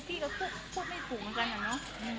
พี่ก็พูดไม่ถูกเหมือนกันอะเนาะ